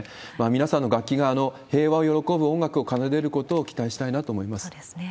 皆さんの楽器が平和を喜ぶ音楽を奏でることを期待したいなと思いそうですね。